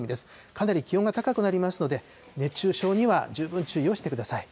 かなり気温が高くなりますので、熱中症には十分注意をしてください。